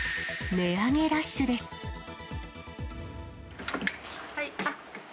値上げラッシュです。